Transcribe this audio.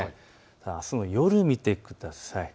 あすの夜を見てください。